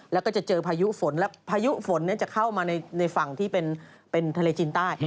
แล้วก็จะเจอพายุฝนและพายุฝนจะเข้ามาในฝั่งที่เป็นทะเลจีนใต้